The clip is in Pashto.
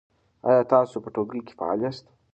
آیا تاسو په ټولګي کې فعال یاست؟